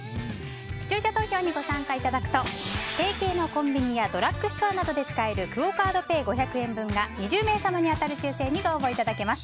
視聴者投票にご参加いただくと提携のコンビニやドラッグストアなどで使えるクオ・カードペイ５００円分が２０名様に当たる抽選にご応募いただけます。